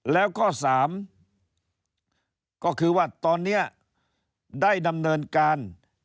แล้วก็๓ก็คือว่าตอนนี้ได้ดำเนินการ